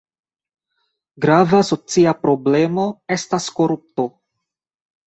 Grava socia problemo estas korupto.